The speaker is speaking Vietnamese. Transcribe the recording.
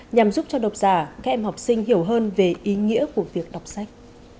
nhằm giúp cho độc giả các em học sinh hiểu hơn về ý nghĩa của việc đọc sách